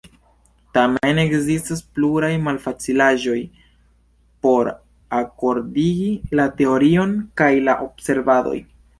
Tamen, ekzistas pluraj malfacilaĵoj por akordigi la teorion kaj la observadoj.